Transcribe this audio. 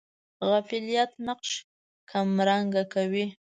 فاعلیت نقش کمرنګه کوي.